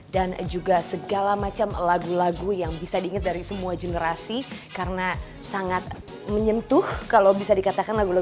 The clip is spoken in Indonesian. dan juga segala macam lagu lagu yang bisa diingat dari semua generasi karena sangat menyentuh kalau bisa dikatakan lagu lagu